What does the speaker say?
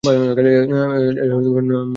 এর অন্য নাম ডালমুট।